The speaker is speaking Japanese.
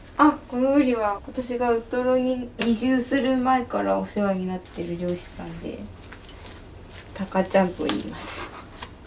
このブリは私がウトロに移住する前からお世話になってる漁師さんでたかちゃんといいます。